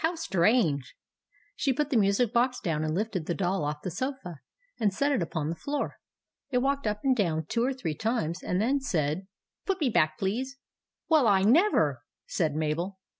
" How strange !" She put the music box down, and lifted the Doll off the sofa, and set it upon the floor. It walked up and down two or three times and then said —" Put me back, please." "Well, I never!" said Mabel.